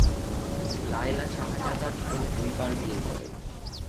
লায়লা শাহজাদা জীবনে দুই বার বিয়ে করেন।